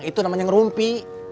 itu namanya ngerumpi